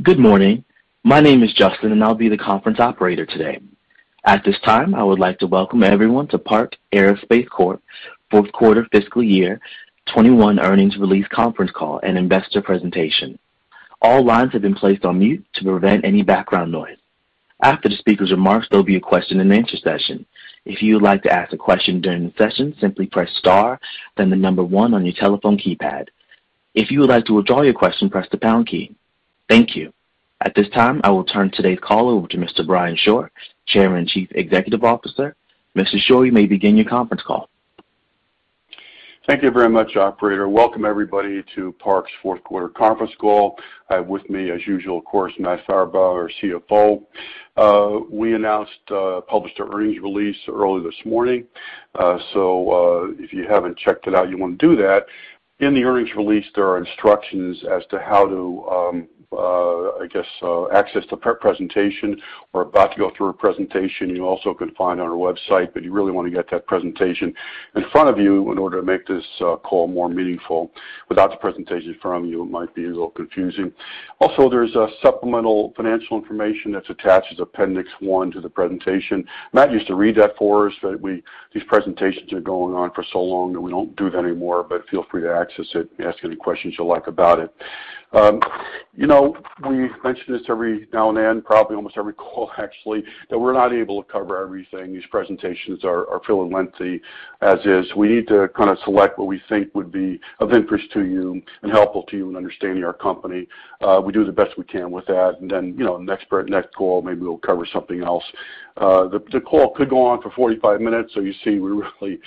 Good morning. My name is Justin, and I'll be the conference operator today. At this time, I would like to welcome everyone to Park Aerospace Corp.'s fourth quarter fiscal year 2021 earnings release conference call and investor presentation. All lines have been placed on mute to prevent any background noise. After the speakers' remarks, there will be a question and answer session. If you would like to ask a question during the session, simply press star, then the number one on your telephone keypad. If you would like to withdraw your question, press the pound key. Thank you. At this time, I will turn today's call over to Mr. Brian Shore, Chairman, Chief Executive Officer. Mr. Shore, you may begin your conference call. Thank you very much, operator. Welcome everybody to Park's fourth quarter conference call. I have with me, as usual, of course, Matt Farabaugh, our CFO. We announced, published our earnings release early this morning. If you haven't checked it out, you want to do that. In the earnings release, there are instructions as to how to access the presentation. We're about to go through a presentation you also can find on our website, but you really want to get that presentation in front of you in order to make this call more meaningful. Without the presentation in front of you, it might be a little confusing. Also, there's supplemental financial information that's attached as Appendix one to the presentation. Matt used to read that for us, but these presentations are going on for so long that we don't do that anymore. Feel free to access it and ask any questions you like about it. We mention this every now and then, probably almost every call actually, that we're not able to cover everything. These presentations are fairly lengthy as is. We need to kind of select what we think would be of interest to you and helpful to you in understanding our company. We do the best we can with that. Then, next call, maybe we'll cover something else. The call could go on for 45 minutes, you see we really,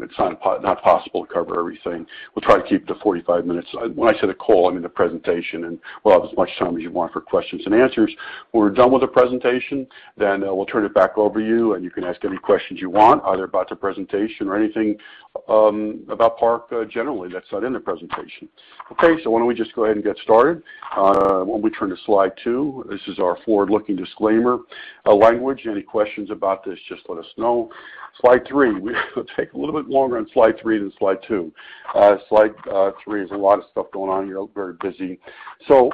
it's not possible to cover everything. We'll try to keep to 45 minutes. When I say the call, I mean the presentation, we'll have as much time as you want for questions and answers. When we're done with the presentation, then we'll turn it back over you, and you can ask any questions you want, either about the presentation or anything about Park generally that's not in the presentation. Okay, why don't we just go ahead and get started? Why don't we turn to slide two. This is our forward-looking disclaimer language. Any questions about this, just let us know. Slide three. We'll take a little bit longer on slide three than slide two. Slide three has a lot of stuff going on. Very busy. Why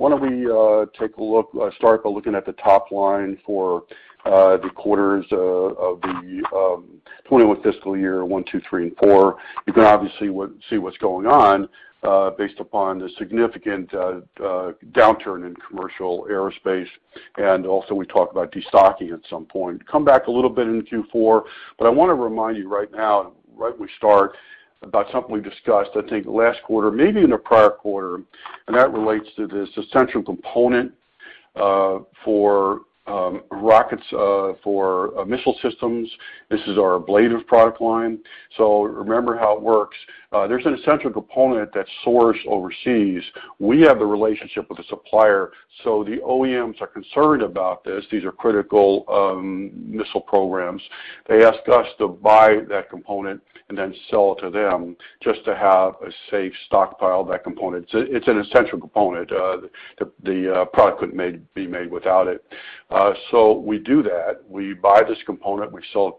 don't we start by looking at the top line for the quarters of the fiscal year one, two, three, and four. You can obviously see what's going on, based upon the significant downturn in commercial aerospace, and also we talk about de-stocking at some point. Come back a little bit in Q4. I want to remind you right now, right when we start, about something we discussed, I think last quarter, maybe in the prior quarter, that relates to this essential component for rockets for missile systems. This is our ablative product line. Remember how it works. There's an essential component that's sourced overseas. We have the relationship with the supplier. The OEMs are concerned about this. These are critical missile programs. They ask us to buy that component, sell it to them just to have a safe stockpile of that component. It's an essential component. The product couldn't be made without it. We do that. We buy this component, we sell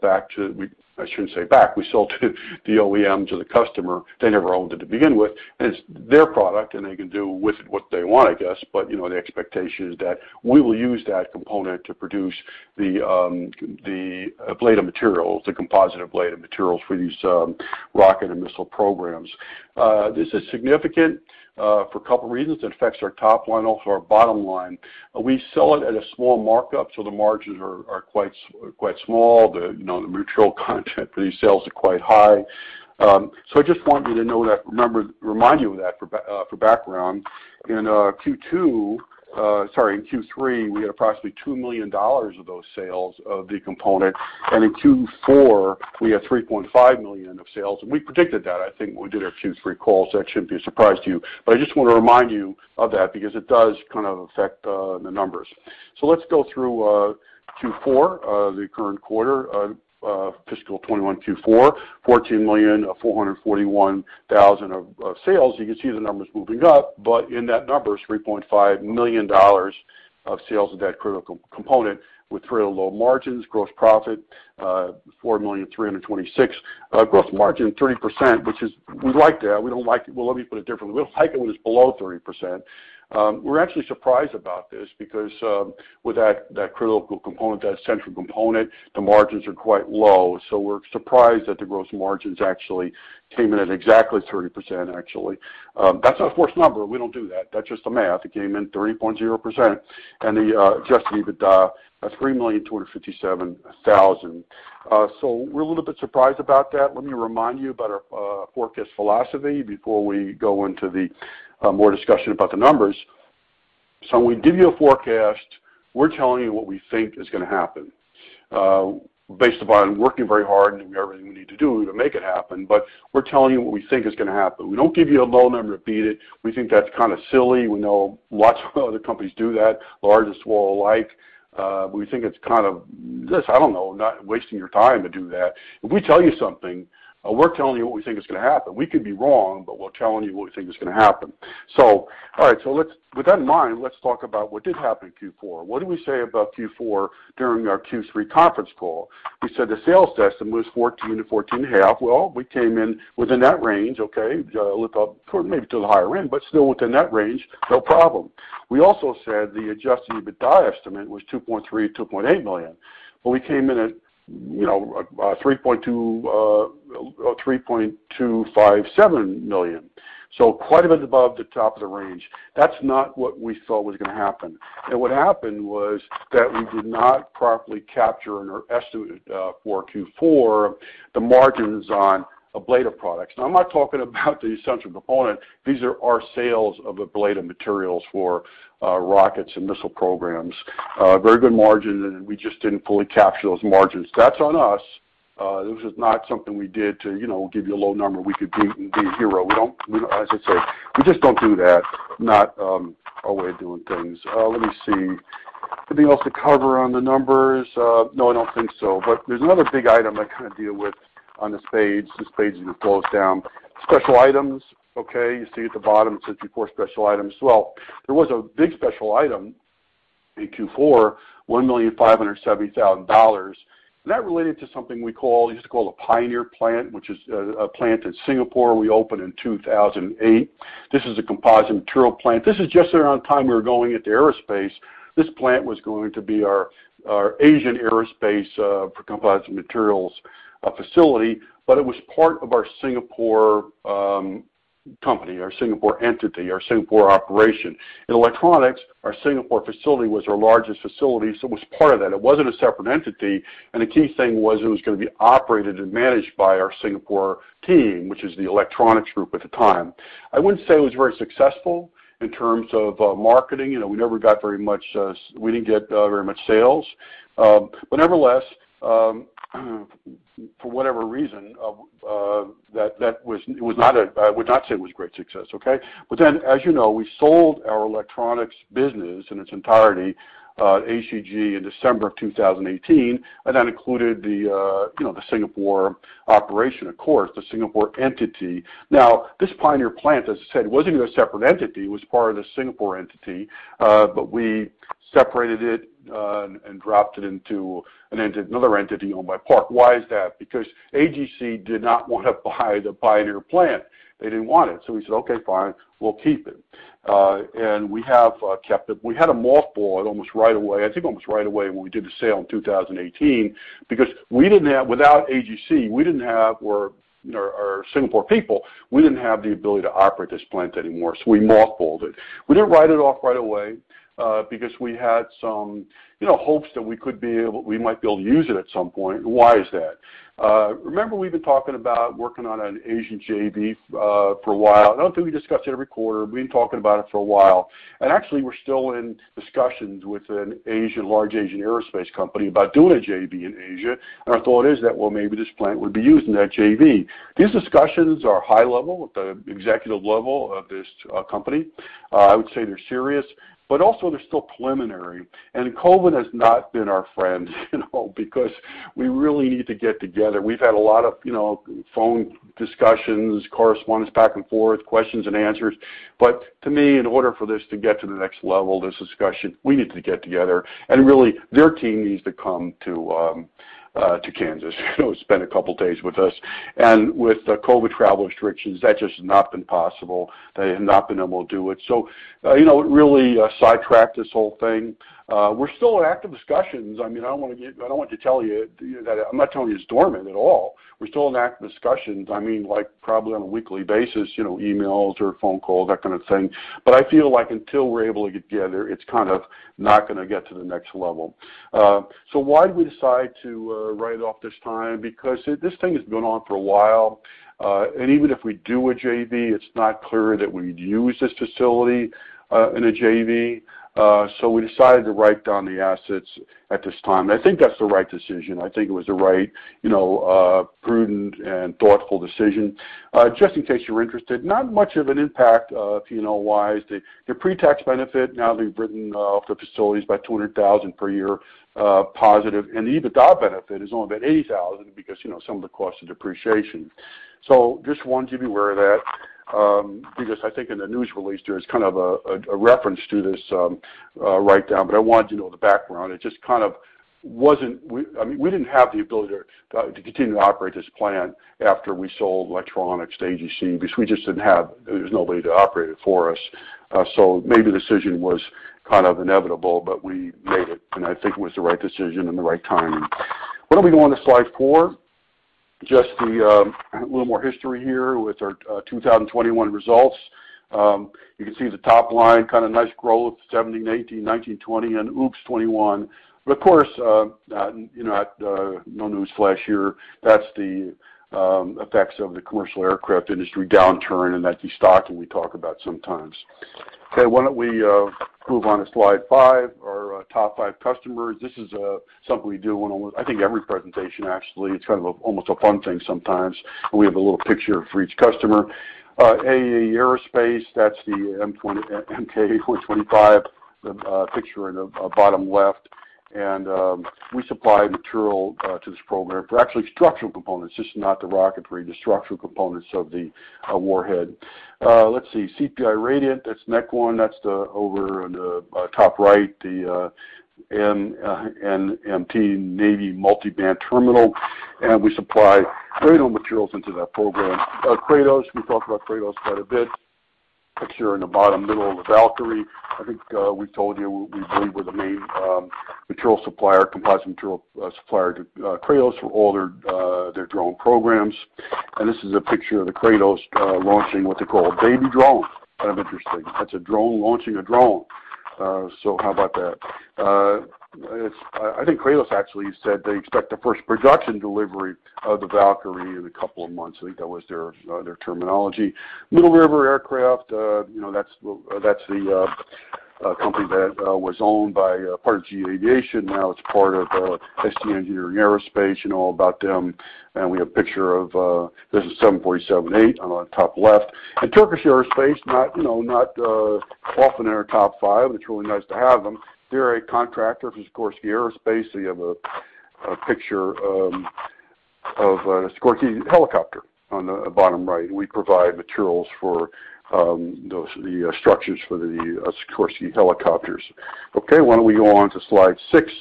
to the OEM, to the customer. They never owned it to begin with, and it's their product, and they can do with it what they want, I guess. The expectation is that we will use that component to produce the ablative materials, the composite ablative materials for these rocket and missile programs. This is significant for a couple of reasons. It affects our top line, also our bottom line. We sell it at a small markup, so the margins are quite small. The mutual content for these sales are quite high. I just want you to know that, remind you of that for background. In Q2, sorry, in Q3, we had approximately $2 million of those sales of the component, and in Q4, we had $3.5 million of sales. We predicted that, I think, when we did our Q3 call, so that shouldn't be a surprise to you. I just want to remind you of that because it does kind of affect the numbers. Let's go through Q4, the current quarter, fiscal 2021 Q4, $14,441,000 of sales. You can see the numbers moving up, but in that number is $3.5 million of sales of that critical component with fairly low margins. Gross profit, $4,326,000. Gross margin 30%, which is, we like that. We don't like it when it's below 30%. We're actually surprised about this because with that critical component, that essential component, the margins are quite low. We're surprised that the gross margins actually came in at exactly 30%, actually. That's not a forced number. We don't do that. That's just the math. It came in 30.0%. The adjusted EBITDA, that's $3,257,000. We're a little bit surprised about that. Let me remind you about our forecast philosophy before we go into more discussion about the numbers. When we give you a forecast, we're telling you what we think is going to happen, based upon working very hard and doing everything we need to do to make it happen. We're telling you what we think is going to happen. We don't give you a low number to beat it. We think that's kind of silly. We know lots of other companies do that, large as well like. We think this, I don't know, not wasting your time to do that. If we tell you something, we're telling you what we think is going to happen. We could be wrong, we're telling you what we think is going to happen. All right. With that in mind, let's talk about what did happen in Q4. What did we say about Q4 during our Q3 conference call? We said the sales estimate was $14 million to $14.5 Million. Well, we came in within that range, okay? Look up toward maybe to the higher end, still within that range, no problem. We also said the adjusted EBITDA estimate was $2.3 million-$2.8 million. Well, we came in at $3.257 million. Quite a bit above the top of the range. That's not what we thought was going to happen. What happened was that we did not properly capture and/or estimate for Q4 the margins on ablator products. Now, I'm not talking about the essential component. These are our sales of ablator materials for rockets and missile programs. Very good margin, we just didn't fully capture those margins. That's on us. This is not something we did to give you a low number we could beat and be a hero. As I said, we just don't do that. Not our way of doing things. Let me see. Anything else to cover on the numbers? No, I don't think so. There's another big item I kind of deal with on this page. This page as it flows down. Special items, okay, you see at the bottom it says before special items. There was a big special item in Q4, $1.570 million. That related to something we used to call a Pioneer Plant, which is a plant in Singapore we opened in 2008. This is a composite material plant. This is just around the time we were going into Aerospace. This plant was going to be our Asian Aerospace for composite materials facility. It was part of our Singapore company, our Singapore entity, our Singapore operation. In electronics, our Singapore facility was our largest facility, so it was part of that. It wasn't a separate entity. The key thing was it was going to be operated and managed by our Singapore team, which is the electronics group at the time. I wouldn't say it was very successful in terms of marketing. We didn't get very much sales. Nevertheless, for whatever reason, I would not say it was a great success, okay. As you know, we sold our electronics business in its entirety, AGC, in December of 2018, and that included the Singapore operation, of course, the Singapore entity. Now, this Pioneer Plant, as I said, wasn't even a separate entity. It was part of the Singapore entity. We separated it and dropped it into another entity owned by Park. Why is that? AGC did not want to buy the Pioneer Plant. They didn't want it. We said, "Okay, fine. We'll keep it." We have kept it. We had to mothball it almost right away, I think almost right away when we did the sale in 2018, because without AGC or our Singapore people, we didn't have the ability to operate this plant anymore. We mothballed it. We didn't write it off right away, because we had some hopes that we might be able to use it at some point. Why is that? Remember we've been talking about working on an Asian JV for a while. I don't think we discussed it every quarter. We've been talking about it for a while. Actually, we're still in discussions with a large Asian Aerospace company about doing a JV in Asia. Our thought is that, well, maybe this plant would be used in that JV. These discussions are high level at the executive level of this company. I would say they're serious, but also they're still preliminary. COVID has not been our friend because we really need to get together. We've had a lot of phone discussions, correspondence back and forth, questions and answers. To me, in order for this to get to the next level, this discussion, we need to get together, and really their team needs to come to Kansas, spend a couple of days with us. With the COVID travel restrictions, that just has not been possible. They have not been able to do it. It really sidetracked this whole thing. We're still in active discussions. I'm not telling you it's dormant at all. We're still in active discussions, like probably on a weekly basis, emails or phone calls, that kind of thing. I feel like until we're able to get together, it's kind of not going to get to the next level. Why did we decide to write it off this time? This thing has been going on for a while. Even if we do a JV, it's not clear that we'd use this facility in a JV. We decided to write down the assets at this time. I think that's the right decision. I think it was the right prudent and thoughtful decision. Just in case you're interested, not much of an impact P&L-wise. The pre-tax benefit now being written off the facilities by $200,000 per year positive. The EBITDA benefit is only about $80,000 because some of the costs are depreciation. Just wanted you to be aware of that, because I think in the news release there is kind of a reference to this write-down, but I wanted you to know the background. We didn't have the ability to continue to operate this plant after we sold electronics to AGC because there was nobody to operate it for us. Maybe the decision was kind of inevitable, but we made it, and I think it was the right decision and the right timing. Why don't we go on to slide four? Just a little more history here with our 2021 results. You can see the top line, kind of nice growth, 2017, '2018, 2019, 2020, and oops, '21. Of course, no newsflash here. That's the effects of the commercial aircraft industry downturn and that de-stocking we talk about sometimes. Okay, why don't we move on to slide five? Our top five customers. This is something we do on, I think, every presentation, actually. It's kind of almost a fun thing sometimes. We have a little picture for each customer. AR Aerospace, that's the MK 25, the picture in the bottom left. We supply material to this program for actually structural components, just not the rocketry, the structural components of the warhead. Let's see, CPI Radant, that's Mach 1, that's over on the top right, the NMT Navy Multiband Terminal. We supply radome materials into that program. Kratos, we talked about Kratos quite a bit. Picture in the bottom middle of the Valkyrie. I think we told you we believe we're the main composite material supplier to Kratos for all their drone programs. This is a picture of the Kratos launching what they call a baby drone. Kind of interesting. That's a drone launching a drone. How about that? I think Kratos actually said they expect the first production delivery of the Valkyrie in a couple of months. I think that was their terminology. Middle River Aerostructure, that's the company that was owned by part of GE Aviation. Now it's part of ST Engineering Aerospace. You know all about them. We have a picture of, this is 747-8 on the top left. Turkish Aerospace, not often in our top five. It's really nice to have them. They're a contractor for Sikorsky Aerospace. You have a picture of a Sikorsky helicopter on the bottom right. We provide materials for the structures for the Sikorsky helicopters. Okay, why don't we go on to slide six.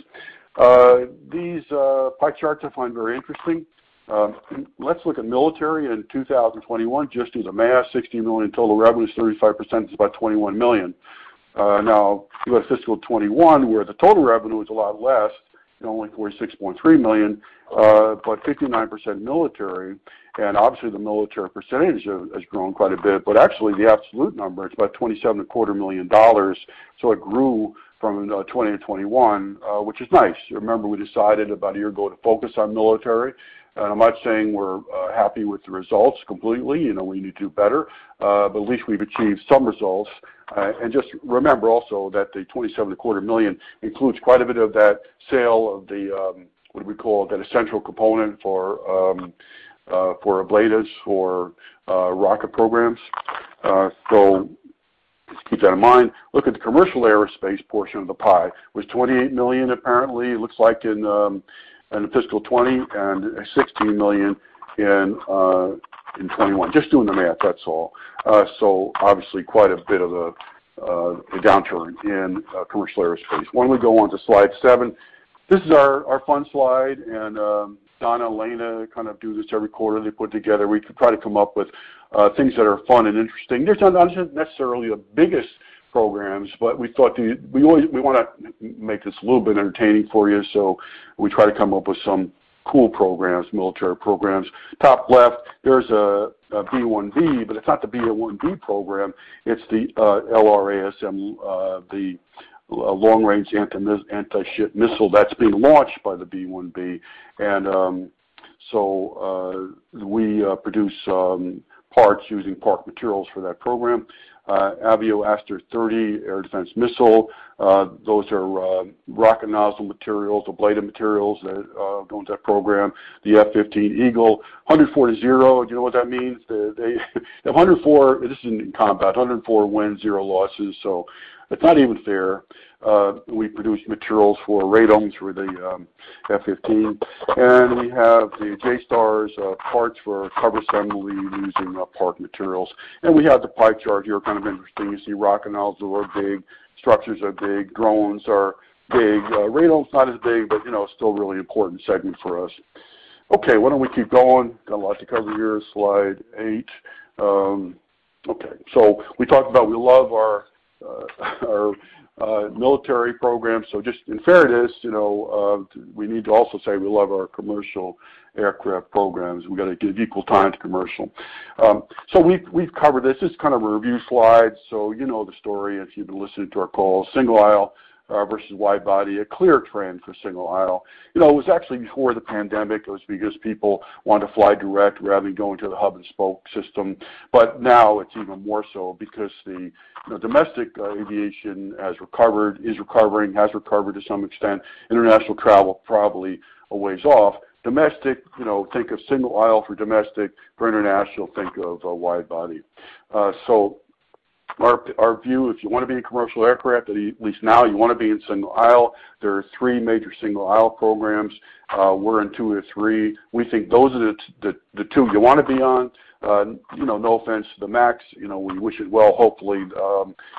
These pie charts I find very interesting. Let's look at military in 2021, just as a math, $60 million total revenue, 35%, it's about $21 million. U.S. fiscal 2021, where the total revenue is a lot less, only $46.3 million, but 59% military, and obviously the military percentage has grown quite a bit, but actually the absolute number, it's about $27.25 million. It grew from 2020 to 2021, which is nice. Remember, we decided about a year ago to focus on military. I'm not saying we're happy with the results completely, we need to do better. At least we've achieved some results. Just remember also that the $27.25 million includes quite a bit of that sale of the, what do we call it, an essential component for Ablatives for rocket programs. Just keep that in mind. Look at the commercial aerospace portion of the pie. It was $28 million apparently, it looks like in fiscal 2020, and $16 million in 2021. Just doing the math, that's all. Obviously quite a bit of a downturn in commercial Aerospace. Why don't we go on to slide seven? This is our fun slide. Don and Elena kind of do this every quarter. They put together, we try to come up with things that are fun and interesting. These aren't necessarily the biggest programs, we want to make this a little bit entertaining for you, we try to come up with some cool programs, military programs. Top left, there's a B1B, it's not the B1B program, it's the LRASM, the Long Range Anti-Ship Missile that's being launched by the B1B. We produce parts using Park materials for that program. Avio Aster 30 Air Defense Missile, those are rocket nozzle materials, ablative materials that go into that program. The F-15 Eagle, 104 to zero, do you know what that means? This is in combat, 104 wins, zero losses, so it's not even fair. We produce materials for radomes for the F-15. We have the JSTARS parts for cover assembly using Park materials. We have the pie chart here, kind of interesting. You see rocket nozzles are big, structures are big, drones are big. Radomes not as big, but still a really important segment for us. Okay, why don't we keep going? We've got a lot to cover here. Slide eight. Okay, we talked about we love our military programs, so just in fairness, we need to also say we love our commercial aircraft programs. We've got to give equal time to commercial. We've covered this. This is kind of a review slide, you know the story if you've been listening to our calls. Single aisle versus wide body, a clear trend for single aisle. It was actually before the pandemic. It was because people want to fly direct rather than going to the hub and spoke system. Now it's even more so because the domestic aviation has recovered, is recovering, has recovered to some extent. International travel probably a ways off. Domestic, think of single aisle for domestic. For international, think of a wide body. Our view, if you want to be in commercial aircraft, at least now, you want to be in single aisle. There are three major single-aisle programs. We're in two of the three. We think those are the two you want to be on. No offense to the MAX. We wish it well. Hopefully,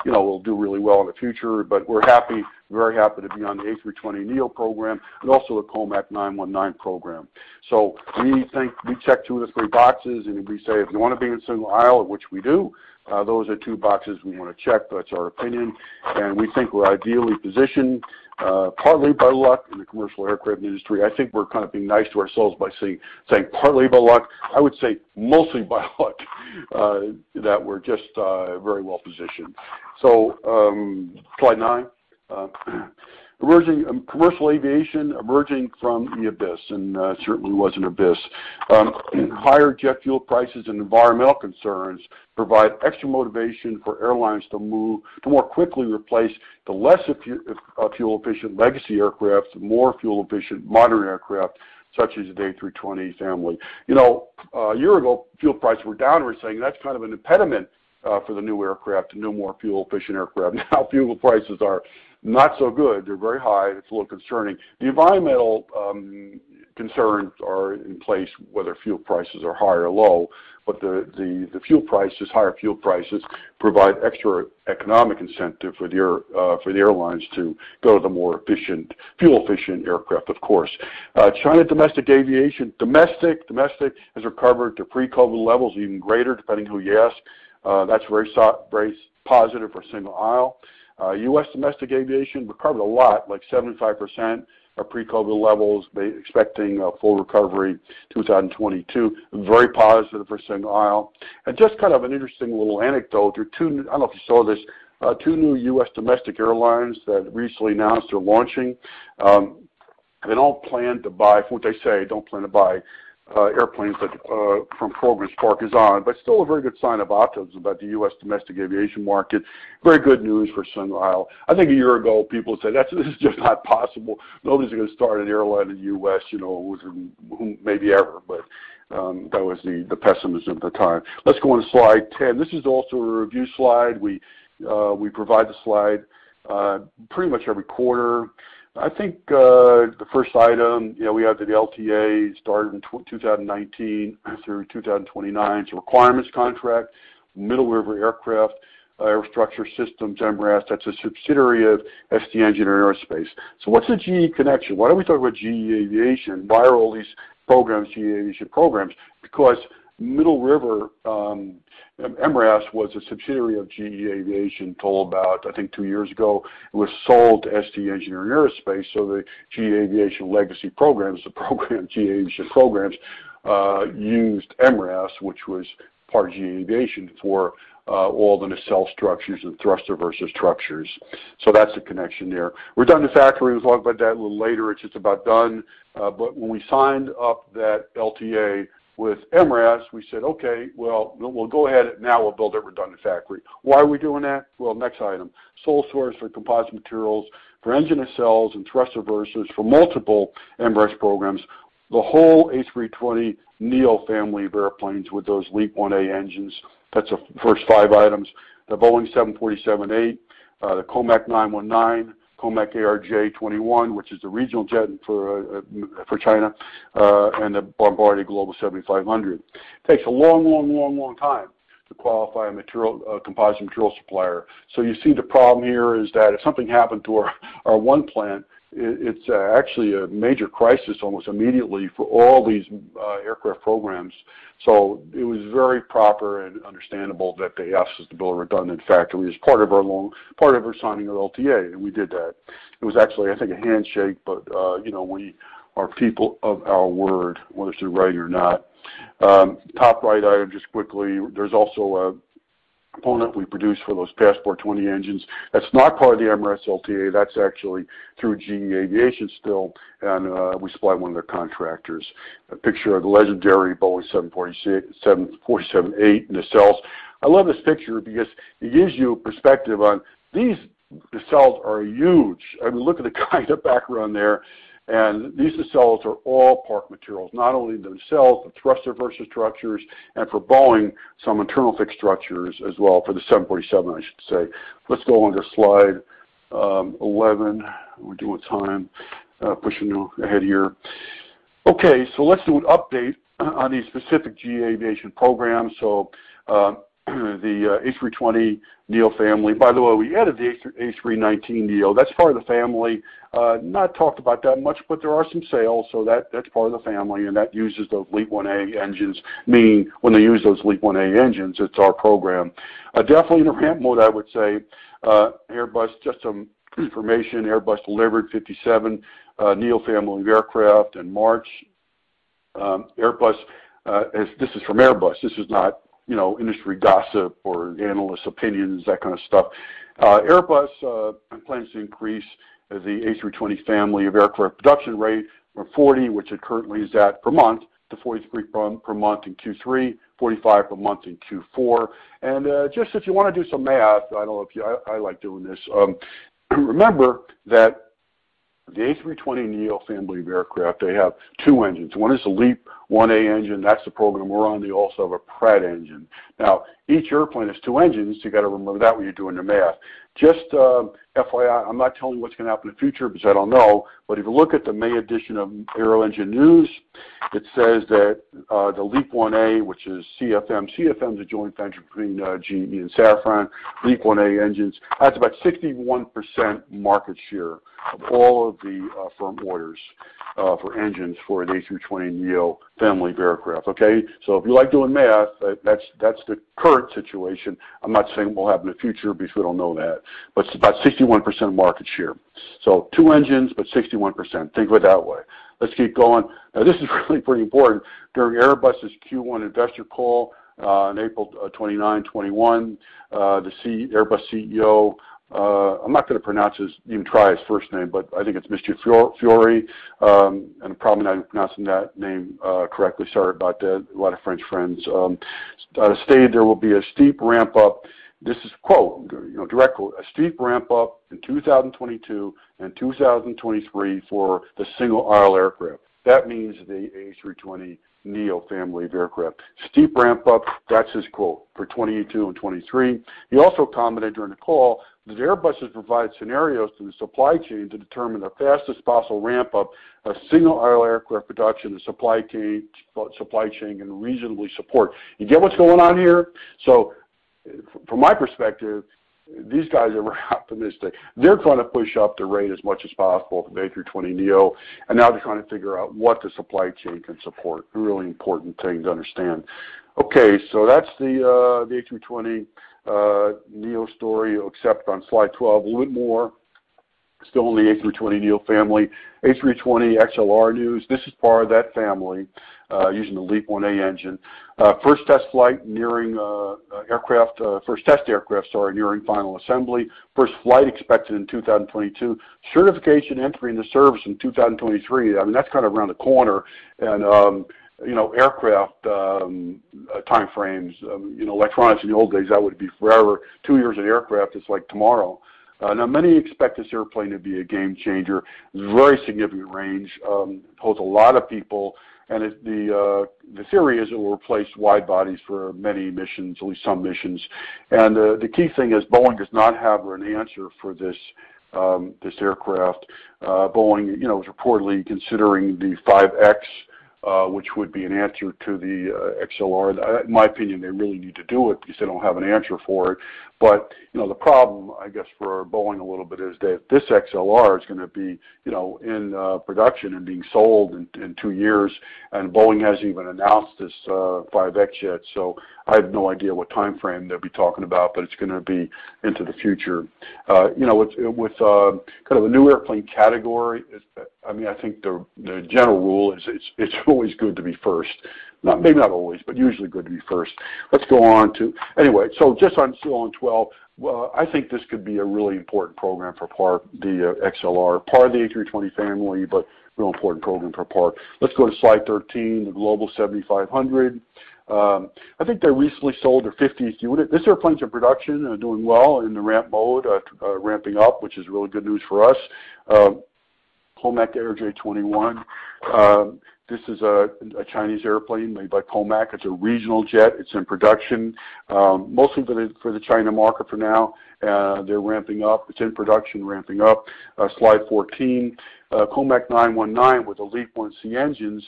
it'll do really well in the future. We're very happy to be on the A320neo program and also the COMAC C919 program. We check two of the three boxes, and we say if you want to be in single aisle, which we do, those are two boxes we want to check. That's our opinion. We think we're ideally positioned, partly by luck in the commercial aircraft industry. I think we're kind of being nice to ourselves by saying partly by luck. I would say mostly by luck that we're just very well positioned. Slide nine. Emerging commercial aviation, emerging from the abyss, and it certainly was an abyss. Higher jet fuel prices and environmental concerns provide extra motivation for airlines to more quickly replace the less fuel-efficient legacy aircraft, the more fuel-efficient modern aircraft, such as the A320 family. A year ago, fuel prices were downward, saying that's kind of an impediment for the new aircraft, no more fuel-efficient aircraft. Now fuel prices are not so good. They're very high. It's a little concerning. The environmental concerns are in place whether fuel prices are high or low, the higher fuel prices provide extra economic incentive for the airlines to go to the more fuel-efficient aircraft, of course. China domestic aviation. Domestic has recovered to pre-COVID levels, even greater, depending who you ask. That's very positive for single aisle. U.S. domestic aviation recovered a lot, like 75% of pre-COVID levels. Expecting a full recovery 2022. Very positive for single aisle. Just kind of an interesting little anecdote. I don't know if you saw this. Two new U.S. domestic airlines that recently announced they're launching. They don't plan to buy, from what they say, don't plan to buy airplanes from programs Park is on, but still a very good sign of optimism about the U.S. domestic aviation market. Very good news for single aisle. I think a year ago, people said, "That is just not possible. Nobody's going to start an airline in the U.S., maybe ever." That was the pessimism at the time. Let's go on to slide 10. This is also a review slide. We provide the slide pretty much every quarter. I think the first item, we have the LTA started in 2019 through 2029. It's a requirements contract. Middle River Aerostructure Systems, MRAS, that's a subsidiary of ST Engineering Aerospace. What's the GE connection? Why are we talking about GE Aviation? Why are all these programs GE Aviation programs? Because Middle River, MRAS, was a subsidiary of GE Aviation until about, I think, two years ago. It was sold to ST Engineering Aerospace, the GE Aviation legacy programs, the GE Aviation programs, used MRAS, which was part of GE Aviation for all the nacelle structures and thrust reversal structures. That's the connection there. Redundant factory, we'll talk about that a little later. It's just about done. When we signed up that LTA with MRAS, we said, "Okay, well, we'll go ahead, and now we'll build a redundant factory." Why are we doing that? Well, next item. Sole source for composite materials for engine nacelles and thrust reversers for multiple MRAS programs. The whole A320neo family of airplanes with those LEAP-1A engines. That's the first five items. The Boeing 747-8, the COMAC C919, COMAC ARJ21, which is the regional jet for China, and the Bombardier Global 7500. You see the problem here is that if something happened to our one plant, it's actually a major crisis almost immediately for all these aircraft programs. It was very proper and understandable that they asked us to build a redundant factory as part of our signing of LTA, and we did that. It was actually, I think, a handshake, but we are people of our word, whether it's the right or not. Top right item, just quickly, there's also a component we produce for those Passport 20 engines. That's not part of the MRAS LTA. That's actually through GE Aviation still, and we supply one of their contractors. A picture of the legendary Boeing 747-8 nacelles. I love this picture because it gives you a perspective on these nacelles are huge. I mean, look at the kind of background there, and these nacelles are all Park materials. Not only themselves, the thrust reverser structures, and for Boeing, some internal fixed structures as well for the 747, I should say. Let's go on to slide 11. How we doing on time? Pushing ahead here. Okay, let's do an update on these specific GE Aviation programs. The A320neo family. By the way, we added the A319neo. That's part of the family. Not talked about that much, but there are some sales, so that's part of the family, and that uses those LEAP-1A engines, meaning when they use those LEAP-1A engines, it's our program. Definitely in a ramp mode, I would say. Airbus, just some information, Airbus delivered 57 neo family of aircraft in March. This is from Airbus. This is not industry gossip or analyst opinions, that kind of stuff. Airbus plans to increase the A320 family of aircraft production rate from 40, which it currently is at per month, to 43 per month in Q3, 45 per month in Q4. Just if you want to do some math, I don't know, I like doing this. Remember that the A320neo family of aircraft, they have two engines. One is a LEAP-1A engine. That's the program we're on. They also have a Pratt engine. Now, each airplane has two engines. You got to remember that when you're doing your math. Just FYI, I'm not telling you what's going to happen in the future because I don't know, but if you look at the May edition of Aero Engine News, it says that the LEAP-1A, which is CFM. CFM is a joint venture between GE and Safran. LEAP-1A engines, that's about 61% market share of all of the firm orders for engines for an A320neo family of aircraft, okay? If you like doing math, that's the current situation. I'm not saying what will happen in the future because we don't know that, but it's about 61% market share. Two engines, but 61%. Think of it that way. Let's keep going. This is really pretty important. During Airbus's Q1 investor call, on April 29, 2021, the Airbus CEO, I'm not going to pronounce or even try his first name, but I think it's Mr. Faury, and I'm probably not pronouncing that name correctly. Sorry about that. A lot of French friends. Stated there will be a steep ramp up. This is a quote, a direct quote, "A steep ramp up in 2022 and 2023 for the single-aisle aircraft." That means the A320neo family of aircraft. Steep ramp up," that's his quote, for 2022 and 2023. He also commented during the call that Airbus has provided scenarios to the supply chain to determine the fastest possible ramp-up of single-aisle aircraft production the supply chain can reasonably support. You get what's going on here? From my perspective, these guys are optimistic. They're trying to push up the rate as much as possible for the A320neo, and now they're trying to figure out what the supply chain can support. A really important thing to understand. That's the A320neo story, except on slide 12, a little bit more. Still on the A320neo family. A321XLR news. This is part of that family, using the LEAP-1A engine. First test aircraft, sorry, nearing final assembly. First flight expected in 2022. Certification entering the service in 2023. I mean, that's kind of around the corner. Aircraft timeframes, in electronics in the old days, that would be forever. Two years in aircraft is like tomorrow. Now, many expect this airplane to be a game changer. Very significant range. Holds a lot of people, and the theory is it will replace wide bodies for many missions, at least some missions. The key thing is Boeing does not have an answer for this aircraft. Boeing was reportedly considering the 5x, which would be an answer to the XLR. In my opinion, they really need to do it because they don't have an answer for it. The problem, I guess, for Boeing a little bit is that this XLR is going to be in production and being sold in two years, and Boeing hasn't even announced this 5x yet, so I have no idea what timeframe they'll be talking about, but it's going to be into the future. With kind of a new airplane category, I think the general rule is it's always good to be first. Maybe not always, but usually good to be first. Still on 12, I think this could be a really important program for Park, the XLR. Part of the A320 family, but real important program for Park. Let's go to slide 13, the Global 7500. I think they recently sold their 50th unit. This airplane's in production and doing well in the ramp mode, ramping up, which is really good news for us. COMAC ARJ21. This is a Chinese airplane made by COMAC. It's a regional jet. It's in production. Mostly for the China market for now. They're ramping up. It's in production, ramping up. Slide 14. COMAC C919 with the LEAP-1C engines.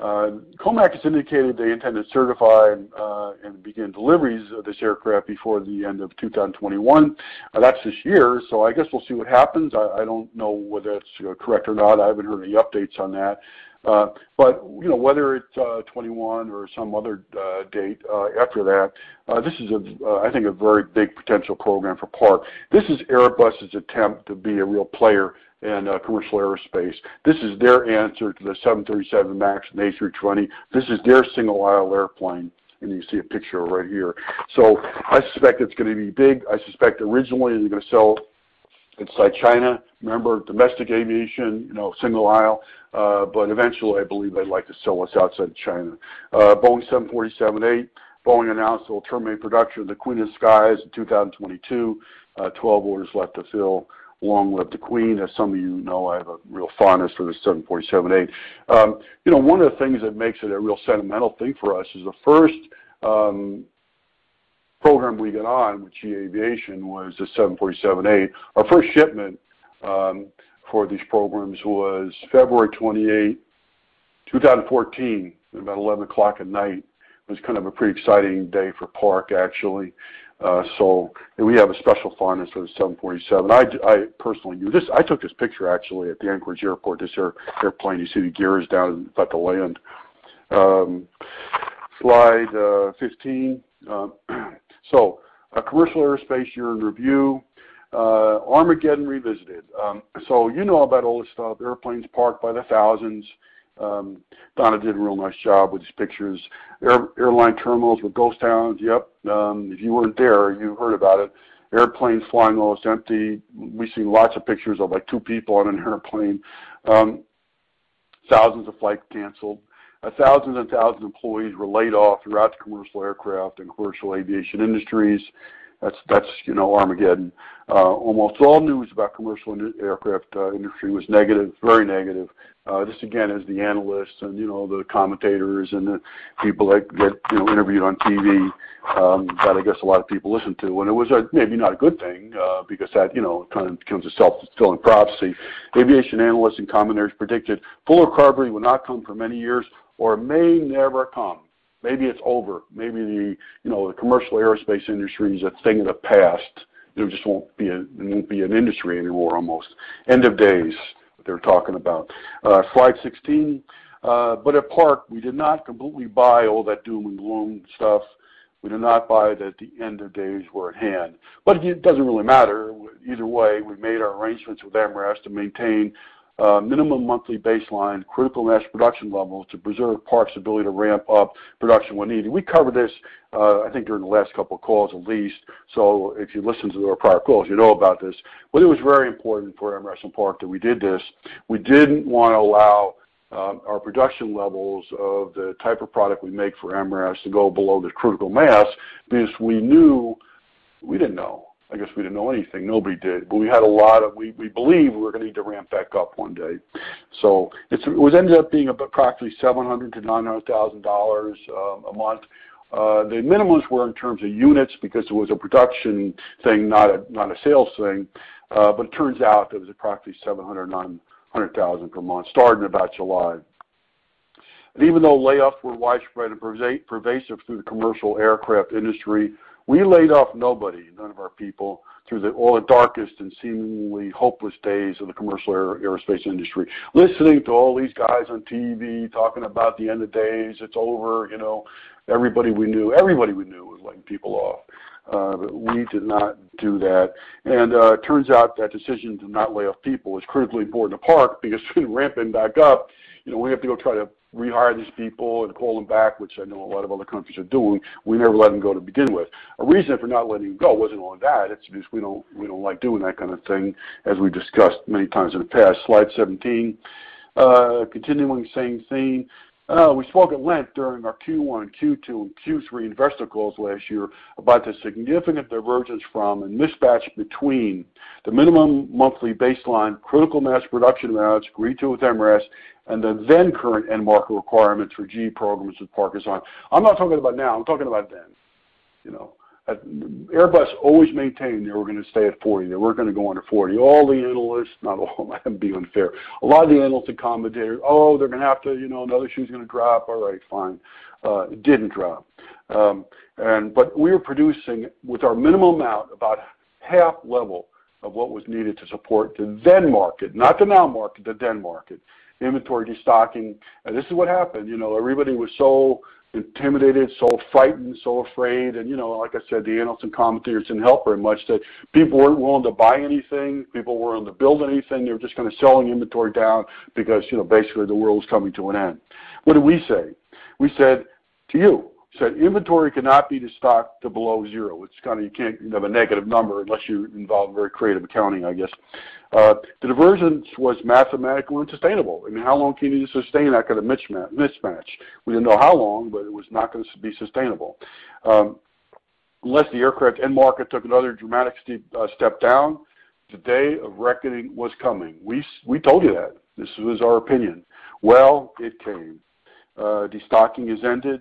COMAC has indicated they intend to certify and begin deliveries of this aircraft before the end of 2021. That's this year. I guess we'll see what happens. I don't know whether that's correct or not. I haven't heard any updates on that. Whether it's 2021 or some other date after that, this is I think a very big potential program for Park. This is Airbus's attempt to be a real player in commercial aerospace. This is their answer to the 737 MAX and the A320. This is their single-aisle airplane, and you see a picture right here. I suspect it's going to be big. I suspect originally they're going to sell inside China. Remember, domestic aviation, single aisle. Eventually, I believe they'd like to sell this outside of China. Boeing 747-8. Boeing announced it will terminate production of the Queen of Skies in 2022. 12 orders left to fill. Long live the Queen. As some of you know, I have a real fondness for the 747-8. One of the things that makes it a real sentimental thing for us is the first program we got on with GE Aviation was the 747-8. Our first shipment for these programs was February 28, 2014, at about 11:00 P.M. It was kind of a pretty exciting day for Park, actually. We have a special fondness for the 747. I took this picture, actually, at the Anchorage Airport. This airplane, you see the gear is down about to land. Slide 15. A commercial Aerospace year in review. Armageddon revisited. You know about all this stuff, airplanes parked by the thousands. Donna did a real nice job with these pictures. Airline terminals were ghost towns. Yep. If you weren't there, you heard about it. Airplanes flying almost empty. We've seen lots of pictures of, like, two people on an airplane. 1,000 Of flights canceled. 1,000 and 1,000 of employees were laid off throughout the commercial aircraft and commercial aviation industries. That's Armageddon. Almost all news about commercial aircraft industry was negative, very negative. This again is the analysts and the commentators and the people that get interviewed on TV, that I guess a lot of people listen to. It was maybe not a good thing because that kind of becomes a self-fulfilling prophecy. Aviation analysts and commentators predicted full recovery will not come for many years or may never come. Maybe it's over. Maybe the commercial Aerospace industry is a thing of the past. There just won't be an industry anymore almost. End of days, they were talking about. Slide 16. At Park, we did not completely buy all that doom and gloom stuff. We do not buy that the end of days were at hand. It doesn't really matter. Either way, we made our arrangements with MRAS to maintain minimum monthly baseline critical mass production levels to preserve Park's ability to ramp up production when needed. We covered this, I think during the last couple of calls at least. If you listened to our prior calls, you know about this. It was very important for MRAS and Park that we did this. We didn't want to allow our production levels of the type of product we make for MRAS to go below the critical mass because we didn't know. I guess we didn't know anything. Nobody did. We believe we're going to need to ramp back up one day. It ended up being approximately $700,000-$900,000 a month. The minimums were in terms of units because it was a production thing, not a sales thing. It turns out it was approximately $700,000, $900,000 per month, starting about July. Even though layoffs were widespread and pervasive through the commercial aircraft industry, we laid off nobody, none of our people, through the all darkest and seemingly hopeless days of the commercial Aerospace industry. Listening to all these guys on TV talking about the end of days, it's over. Everybody we knew was laying people off. We did not do that. It turns out that decision to not lay off people is critically important to Park because we're ramping back up. We have to go try to rehire these people and call them back, which I know a lot of other companies are doing. We never let them go to begin with. A reason for not letting go wasn't only that. It's because we don't like doing that kind of thing, as we discussed many times in the past. Slide 17. Continuing the same theme. We spoke at length during our Q1, Q2, and Q3 investor calls last year about the significant divergence from and mismatch between the minimum monthly baseline critical mass production amounts agreed to with MRAS and the then current end market requirements for GE programs with Parker Hannifin. I'm not talking about now, I'm talking about then. Airbus always maintained they were going to stay at 40. They weren't going to go under 40. All the analysts, not all, I'm being fair. A lot of the analysts and commentators, oh, they're going to have to, the other shoe is going to drop. All right, fine. It didn't drop. We were producing with our minimum amount, about half level of what was needed to support the then market, not the now market, the then market. The inventory destocking. This is what happened. Everybody was so intimidated, so frightened, so afraid. Like I said, the analysts and commentators didn't help very much. The people weren't willing to buy anything. People weren't willing to build anything. They were just kind of selling inventory down because basically the world was coming to an end. What did we say? We said to you, said, "Inventory cannot be destocked to below zero." You can't have a negative number unless you involve very creative accounting, I guess. The divergence was mathematically unsustainable. I mean, how long can you sustain that kind of mismatch? We didn't know how long, but it was not going to be sustainable. Unless the aircraft end market took another dramatic step down, the day of reckoning was coming. We told you that. This was our opinion. Well, it came. Destocking has ended.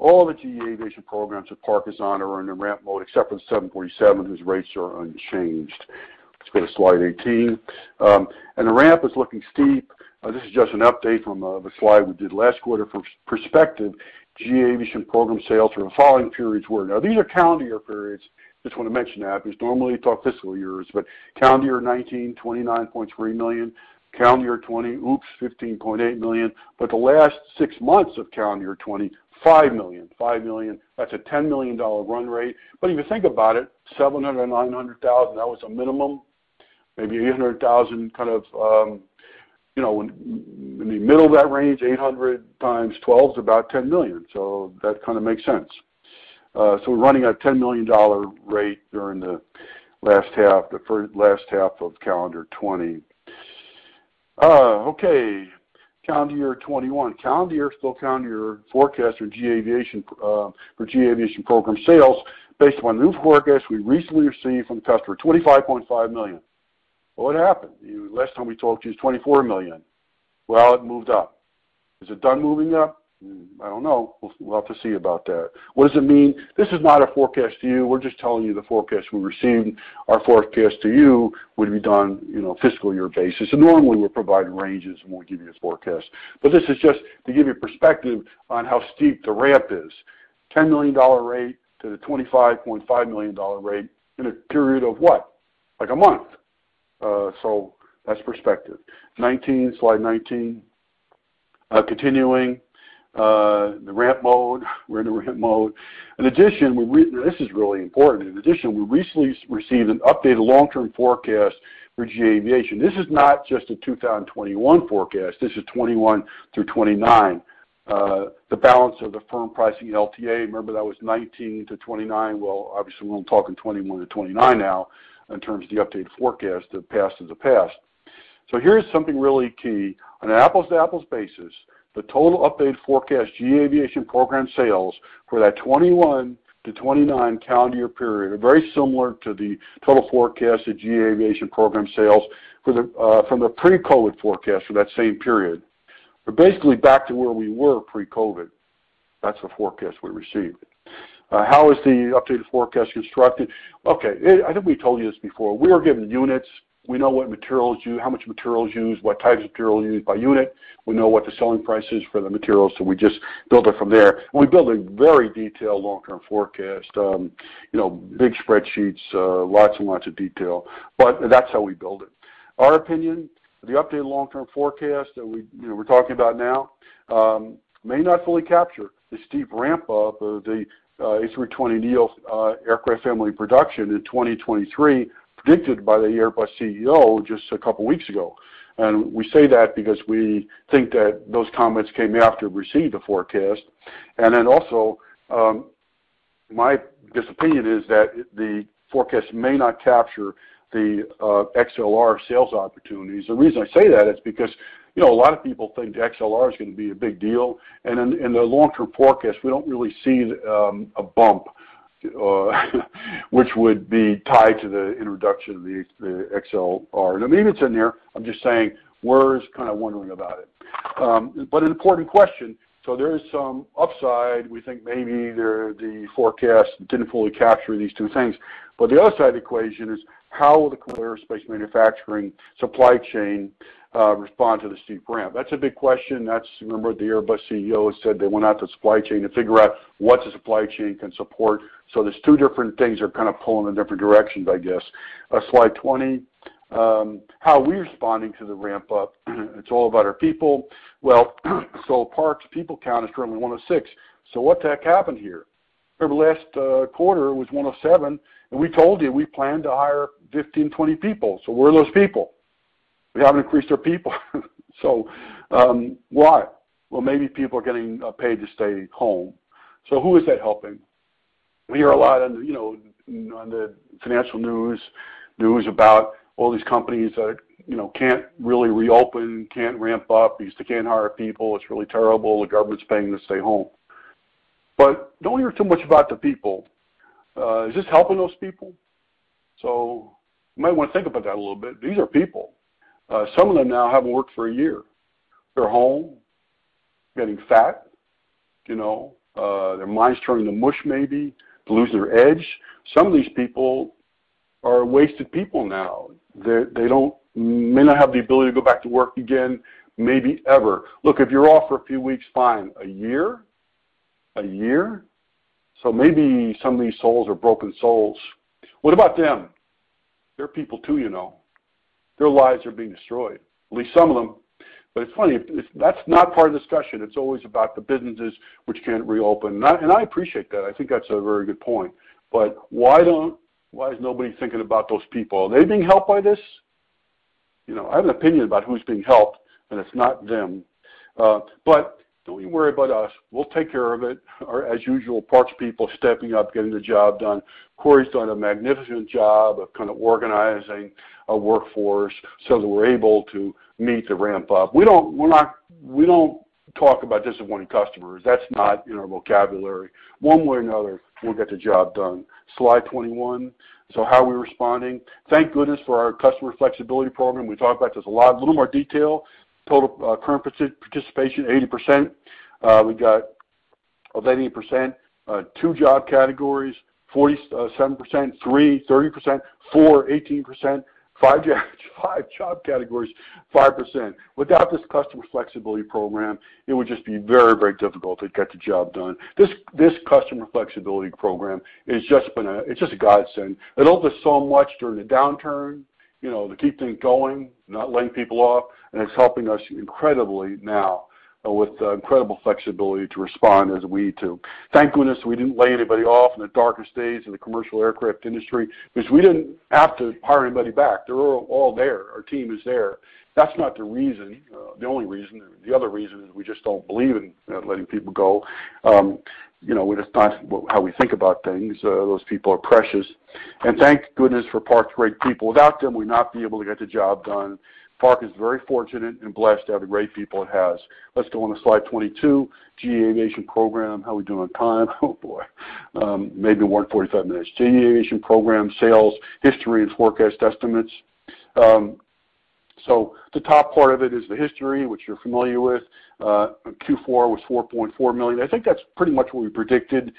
All the GE Aviation programs that Parker is on are under ramp mode, except for the 747, whose rates are unchanged. Let's go to slide 18. The ramp is looking steep. This is just an update from the slide we did last quarter for perspective. GE Aviation program sales for the following periods were. These are calendar year periods. Just want to mention that, because normally you talk fiscal years. Calendar year 2019, $29.3 million. Calendar year 2020, oops, $15.8 million. The last six months of calendar year 2020, $5 million. $5 million, that's a $10 million run rate. If you think about it, $700,000, $900,000, that was a minimum. Maybe $800,000 kind of in the middle of that range, 800 times 12 is about $10 million. That kind of makes sense. We're running at a $10 million rate during the last half of calendar 2020. Okay. Calendar year 2021. Calendar year still calendar year forecast for GE Aviation program sales based on new forecast we recently received from the customer, $25.5 million. What happened? Last time we talked to you, it was $24 million. Well, it moved up. Is it done moving up? I don't know. We'll have to see about that. What does it mean? This is not a forecast to you. We're just telling you the forecast we received. Our forecast to you would be done fiscal year basis. Normally, we provide ranges when we give you this forecast. This is just to give you perspective on how steep the ramp is. $10 million rate to the $25.5 million rate in a period of what? Like a month. That's perspective. Slide 19. Continuing, the ramp mode. We're in the ramp mode. In addition, this is really important. In addition, we recently received an updated long-term forecast for GE Aviation. This is not just a 2021 forecast. This is 2021 through 2029. The balance of the firm pricing LTA, remember that was 2019 to 2029. Obviously, we're only talking 2021 to 2029 now in terms of the updated forecast. The past is the past. Here is something really key. On an apples-to-apples basis, the total updated forecast GE Aviation program sales for that 2021 to 2029 calendar year period are very similar to the total forecast of GE Aviation program sales from the pre-COVID forecast for that same period. We're basically back to where we were pre-COVID. That's the forecast we received. How is the updated forecast constructed? Okay. I think we told you this before. We were given units. We know how much materials used, what types of material used by unit. We know what the selling price is for the materials, so we just build it from there. We build a very detailed long-term forecast, big spreadsheets, lots and lots of detail. That's how we build it. Our opinion, the updated long-term forecast that we're talking about now may not fully capture the steep ramp-up of the A320neo aircraft family production in 2023, predicted by the Airbus CEO just a couple of weeks ago. We say that because we think that those comments came after we received the forecast. Also, my guess, opinion is that the forecast may not capture the XLR sales opportunities. The reason I say that it's because a lot of people think the XLR is going to be a big deal, and in the long-term forecast, we don't really see a bump, which would be tied to the introduction of the XLR. I mean, it's in there, I'm just saying we're just kind of wondering about it. An important question. There is some upside. We think maybe the forecast didn't fully capture these two things. The other side of the equation is how will the commercial aerospace manufacturing supply chain respond to the steep ramp? That's a big question. Remember, the Airbus CEO has said they went out to the supply chain to figure out what the supply chain can support. There's two different things are kind of pulling in different directions, I guess. Slide 20. How are we responding to the ramp-up? It's all about our people. Park's people count is currently 106. What the heck happened here? Remember last quarter, it was 107, and we told you we plan to hire 15, 20 people. Where are those people? We haven't increased our people. Why? Maybe people are getting paid to stay home. Who is that helping? We hear a lot on the financial news about all these companies that can't really reopen, can't ramp up, they can't hire people. It's really terrible. The government's paying them to stay home. Don't hear too much about the people. Is this helping those people? You might want to think about that a little bit. These are people. Some of them now haven't worked for a year. They're home, getting fat. Their minds turning to mush maybe. They're losing their edge. Some of these people are wasted people now. They may not have the ability to go back to work again, maybe ever. Look, if you're off for a few weeks, fine. A year? Maybe some of these souls are broken souls. What about them? They're people too. Their lives are being destroyed. At least some of them. It's funny, that's not part of the discussion. It's always about the businesses which can't reopen. I appreciate that. I think that's a very good point. Why is nobody thinking about those people? Are they being helped by this? I have an opinion about who's being helped, and it's not them. Don't even worry about us, we'll take care of it. As usual, Park's people stepping up, getting the job done. Corey's done a magnificent job of kind of organizing a workforce so that we're able to meet the ramp-up. We don't talk about disappointing customers. That's not in our vocabulary. One way or another, we'll get the job done. Slide 21. How are we responding? Thank goodness for our Customer Flexibility Program. We talked about this a lot. A little more detail. Total current participation, 80%. We got of 80%, two job categories, 47%, 3, 30%, four, 18%, five job categories, 5%. Without this Customer Flexibility Program, it would just be very difficult to get the job done. This Customer Flexibility Program, it's just a godsend. It helped us so much during the downturn, to keep things going, not laying people off, and it's helping us incredibly now with the incredible flexibility to respond as we need to. Thank goodness we didn't lay anybody off in the darker days in the commercial aircraft industry because we didn't have to hire anybody back. They're all there. Our team is there. That's not the reason, the only reason. The other reason is we just don't believe in letting people go. It's not how we think about things. Those people are precious. Thank goodness for Park's great people. Without them, we'd not be able to get the job done. Park is very fortunate and blessed to have the great people it has. Let's go on to slide 22. GE Aviation program. How we doing on time? Oh, boy. Maybe 145 minutes. GE Aviation program, sales history and forecast estimates. The top part of it is the history, which you're familiar with. Q4 was $4.4 million. I think that's pretty much what we predicted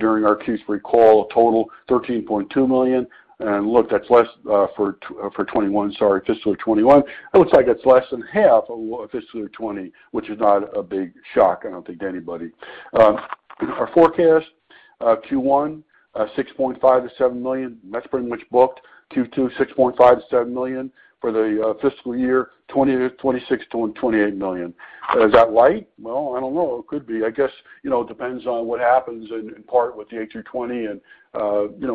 during our Q3 call. Total, $13.2 million. Look, that's less for 2021, sorry, fiscal 2021. It looks like it's less than half of fiscal 2020, which is not a big shock, I don't think, to anybody. Our forecast, Q1, $6.5 million-$7 million. That's pretty much booked. Q2, $6.5 million-$7 million. For the fiscal year, $26 million-$28 million. Is that right? Well, I don't know. It could be. I guess, it depends on what happens in part with the A320 and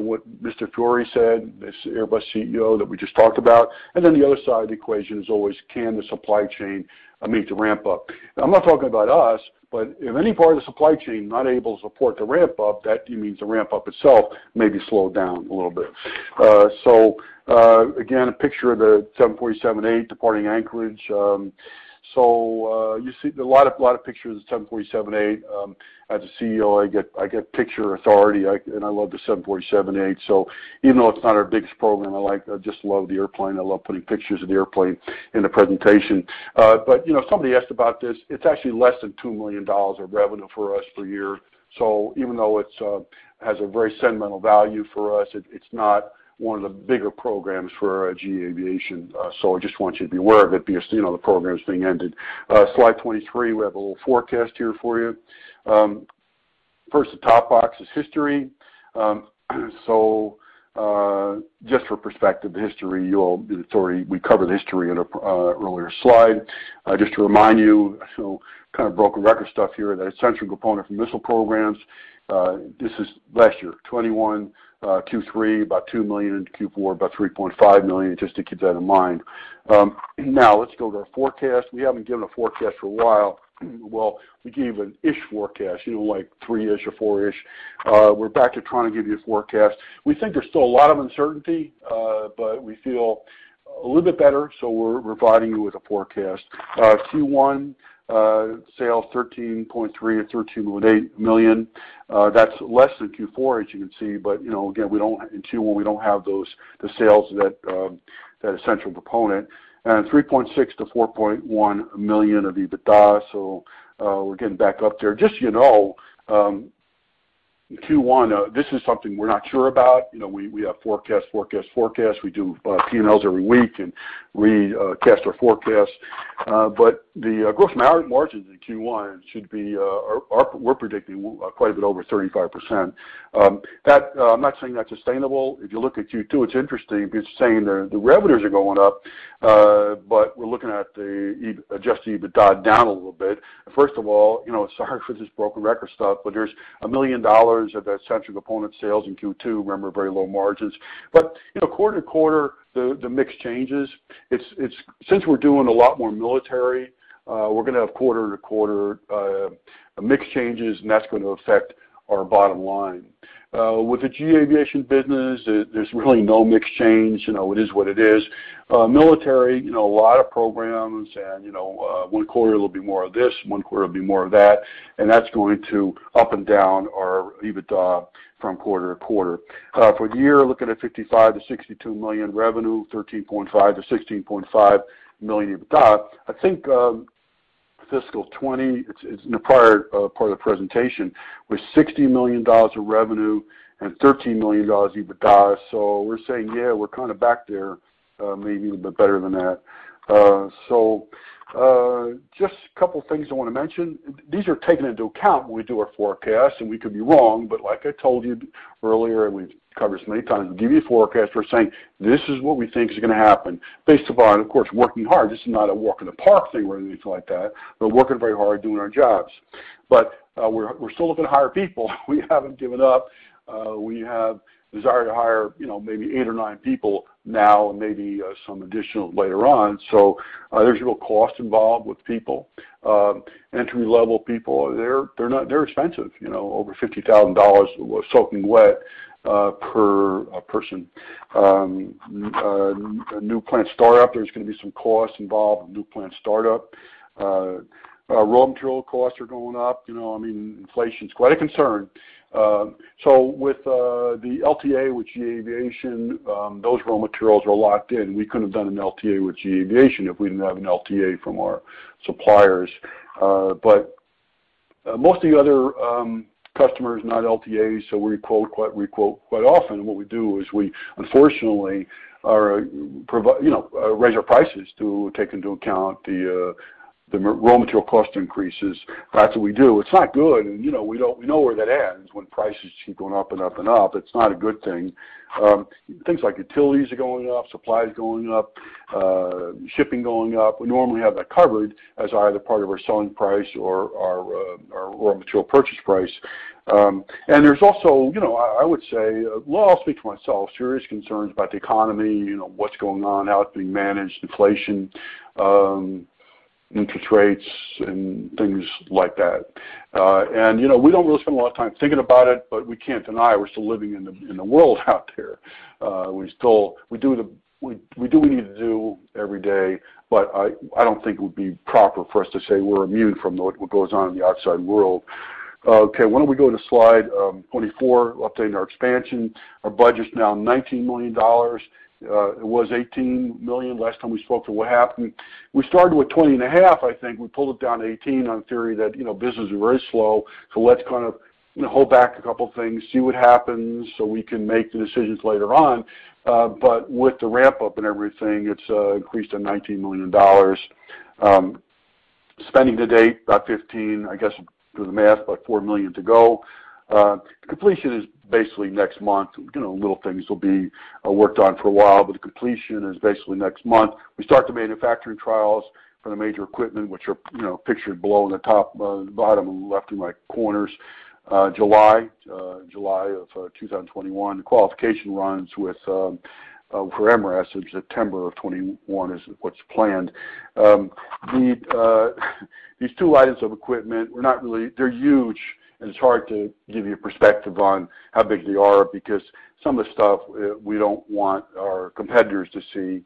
what Mr. Faury said, this Airbus CEO that we just talked about. The other side of the equation is always, can the supply chain meet the ramp-up? I'm not talking about us, but if any part of the supply chain not able to support the ramp-up, that means the ramp-up itself may be slowed down a little bit. Again, a picture of the 747-8 departing Anchorage. You see a lot of pictures of the 747-8. As a CEO, I get picture authority, and I love the 747-8. Even though it's not our biggest program, I just love the airplane. I love putting pictures of the airplane in the presentation. Somebody asked about this. It's actually less than $2 million of revenue for us per year. Even though it has a very sentimental value for us, it's not one of the bigger programs for GE Aviation. I just want you to be aware of it because the program's being ended. Slide 23. We have a little forecast here for you. First, the top box is history. Just for perspective, the history, we covered history in an earlier slide. Just to remind you, kind of broken record stuff here, that essential component for missile programs, this is last year, 2021 Q3, about $2 million in Q4, about $3.5 million, just to keep that in mind. Let's go to our forecast. We haven't given a forecast for a while. We gave an ish forecast, like three-ish or four-ish. We're back to trying to give you a forecast. We think there's still a lot of uncertainty, but we feel a little bit better, so we're providing you with a forecast. Q1 sales, $13.3 million or $13.8 million. That's less than Q4, as you can see. Again, in Q1, we don't have the sales, that essential component. $3.6 million to $4.1 million of EBITDA, so we're getting back up there. Just so you know, Q1, this is something we're not sure about. We have forecast. We do P&Ls every week, and we test our forecasts. The gross margin in Q1 should be, we're predicting, quite a bit over 35%. I'm not saying that's sustainable. If you look at Q2, it's interesting because it's saying the revenues are going up, but we're looking at the adjusted EBITDA down a little bit. First of all, sorry for this broken record stuff, but there's $1 million of that essential component sales in Q2, remember, very low margins. Quarter-to-quarter, the mix changes. Since we're doing a lot more military, we're going to have quarter-to-quarter mix changes, and that's going to affect our bottom line. With the GE Aviation business, there's really no mix change. It is what it is. Military, a lot of programs, and one quarter it'll be more of this, one quarter it'll be more of that, and that's going to up and down our EBITDA from quarter-to-quarter. For the year, looking at $55 million to $62 million revenue, $13.5 million to $16.5 million EBITDA. I think fiscal 2020, it's in the prior part of the presentation, was $60 million of revenue and $13 million EBITDA. We're saying, yeah, we're kind of back there, maybe even a bit better than that. Just a couple of things I want to mention. These are taken into account when we do our forecast, and we could be wrong, but like I told you earlier, and we've covered this many times, we give you a forecast, we're saying, this is what we think is going to happen based upon, of course, working hard. This is not a walk in the park thing or anything like that. We're working very hard doing our jobs. We're still looking to hire people. We haven't given up. We have desire to hire maybe eight or nine people now, maybe some additional later on. There's real cost involved with people. Entry level people, they're expensive, over $50,000 soaking wet per person. A new plant start-up, there's going to be some costs involved with new plant start-up. Raw material costs are going up. I mean, inflation is quite a concern. With the LTA with GE Aviation, those raw materials are locked in. We couldn't have done an LTA with GE Aviation if we didn't have an LTA from our suppliers. Most of the other customers, not LTAs, we quote quite often. What we do is we unfortunately raise our prices to take into account the raw material cost increases. That's what we do. It's not good, and we know where that ends when prices keep going up and up and up. It's not a good thing. Things like utilities are going up, supplies going up, shipping going up. We normally have that covered as either part of our selling price or our raw material purchase price. There's also, I would say, we all speak to ourselves, serious concerns about the economy, what's going on, how it's being managed, inflation, interest rates, and things like that. We don't really spend a lot of time thinking about it, but we can't deny we're still living in the world out there. We do what we need to do every day. I don't think it would be proper for us to say we're immune from what goes on in the outside world. Okay. Why don't we go to slide 24, updating our expansion. Our budget's now $19 million. It was $18 million last time we spoke to what happened. We started with $20 and a half, I think. We pulled it down to $18 on the theory that business is very slow, so let's kind of hold back a couple of things, see what happens so we can make the decisions later on. With the ramp-up and everything, it's increased to $19 million. Spending to date, about $15, I guess, do the math, about $4 million to go. Completion is basically next month. Little things will be worked on for a while, but the completion is basically next month. We start the manufacturing trials for the major equipment, which are pictured below in the bottom left and right corners, July 2021. The qualification runs for MRES in September 2021 is what's planned. These two items of equipment, they're huge, and it's hard to give you a perspective on how big they are because some of the stuff we don't want our competitors to see.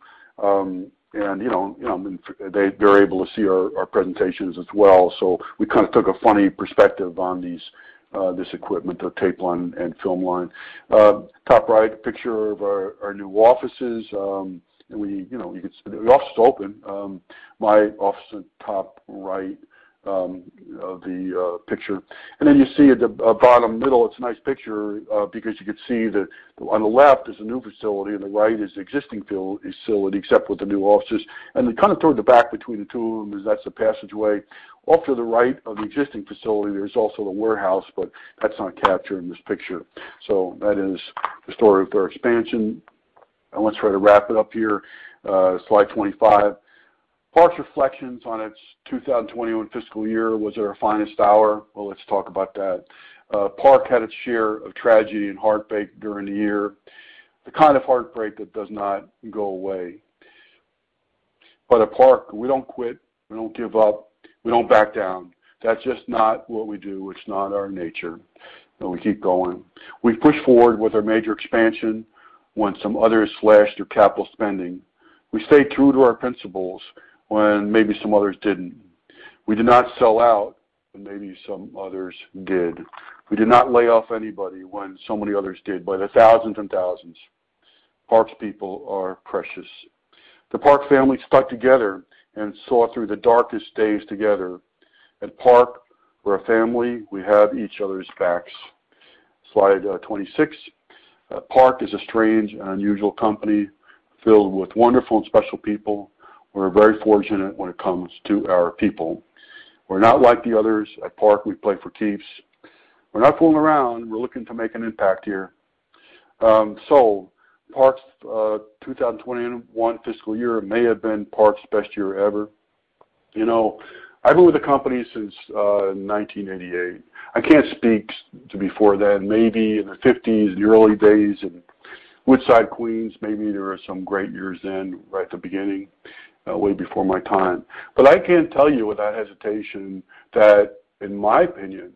They're able to see our presentations as well. We kind of took a funny perspective on this equipment, the tape line and film line. Top right, a picture of our new offices. The office is open. My office in the top right of the picture. You see at the bottom middle, it's a nice picture because you could see that on the left is the new facility, and the right is the existing facility, except with the new offices. Toward the back between the two of them is that's the passageway. Off to the right of the existing facility, there's also the warehouse, but that's not captured in this picture. That is the story of our expansion. I want to try to wrap it up here. Slide 25. Park's reflections on its 2021 fiscal year was their finest hour. Well, let's talk about that. Park had its share of tragedy and heartbreak during the year, the kind of heartbreak that does not go away. At Park, we don't quit, we don't give up, we don't back down. That's just not what we do. It's not in our nature. We keep going. We push forward with our major expansion when some others slashed their capital spending. We stayed true to our principles when maybe some others didn't. We did not sell out, maybe some others did. We did not lay off anybody when so many others did, by the thousands and thousands. Park's people are precious. The Park family stuck together and saw through the darkest days together. At Park, we're a family, we have each other's backs. Slide 26. Park is a strange and unusual company filled with wonderful and special people. We're very fortunate when it comes to our people. We're not like the others. At Park, we play for keeps. We're not fooling around. We're looking to make an impact here. Park's 2021 fiscal year may have been Park's best year ever. I've been with the company since 1988. I can't speak to before then. Maybe in the '50s and the early days in Woodside, Queens, maybe there were some great years then right at the beginning, way before my time. I can tell you without hesitation that, in my opinion,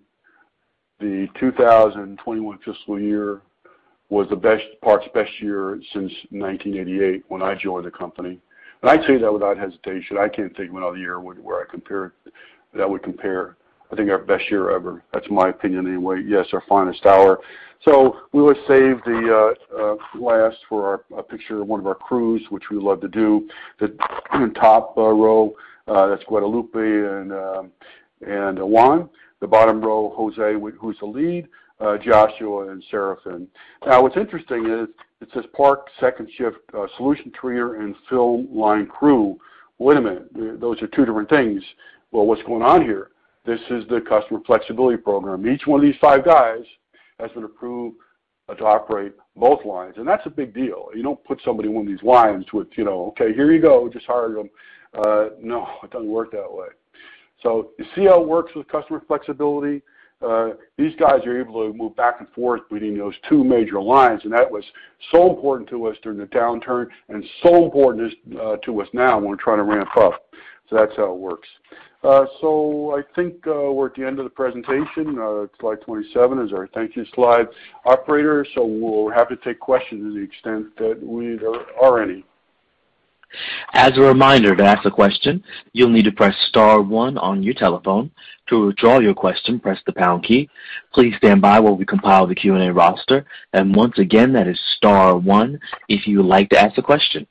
the 2021 fiscal year was Park's best year since 1988 when I joined the company. I say that without hesitation. I can't think of another year that would compare. I think our best year ever. That's my opinion, anyway. Yes, our finest hour. We always save the last for a picture of one of our crews, which we love to do. The top row, that's Guadalupe and Juan. The bottom row, José, who's the lead, Joshua, and Serafin. What's interesting is it says Park second shift solution treater and film line crew. Wait a minute, those are two different things. Well, what's going on here? This is the customer flexibility program. Each one of these five guys has been approved to operate both lines, and that's a big deal. You don't put somebody on these lines with, "Okay, here you go. Just hired him." No, it doesn't work that way. You see how it works with customer flexibility? These guys are able to move back and forth between those two major lines, and that was so important to us during the downturn and so important to us now when we're trying to ramp up. That's how it works. I think we're at the end of the presentation. Slide 27 is our thank you slide. Operator, we'll be happy to take questions to the extent that there are any. As a reminder, to ask a question, you'll need to press star one on your telephone. To withdraw your question, press the star key. Please stand by while we compile the Q&A roster. Once again, that is star one if you would like to ask a question.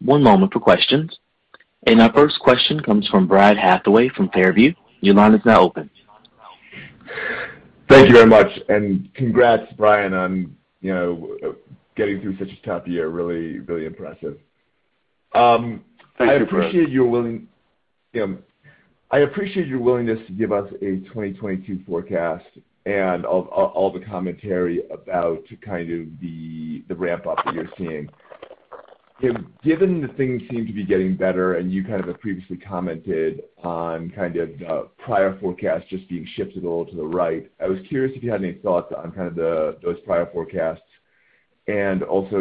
One moment for questions. Our first question comes from Brad Hathaway from Far View. Your line is now open. Thank you very much, and congrats, Brian, on getting through such a tough year, really impressive. Thank you, Brad. I appreciate your willingness to give us a 2022 forecast and all the commentary about the ramp up that you're seeing. Given that things seem to be getting better and you kind of have previously commented on kind of prior forecasts just being shifted a little to the right, I was curious if you had any thoughts on those prior forecasts, and also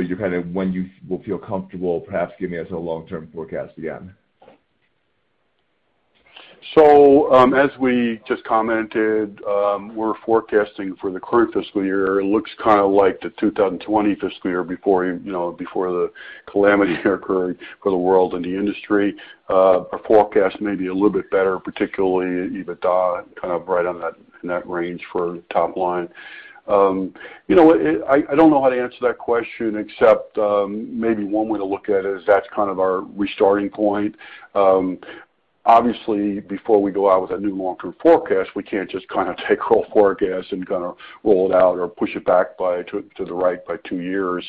when you will feel comfortable perhaps giving us a long-term forecast again. As we just commented, we're forecasting for the current fiscal year. It looks kind of like the 2020 fiscal year before the calamity occurred for the world and the industry. Our forecast may be a little bit better, particularly EBITDA, kind of right in that range for top line. I don't know how to answer that question except maybe one way to look at it is that's kind of our restarting point. Obviously, before we go out with a new long-term forecast, we can't just kind of take our old forecast and kind of roll it out or push it back to the right by two years.